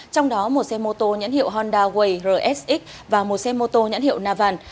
trong đó một xe mô tô nhãn hiệu honda way rsx và một xe mô tô nhãn hiệu navan